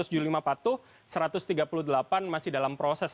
seratus juli lima patuh satu ratus tiga puluh delapan masih dalam proses